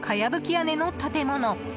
屋根の建物。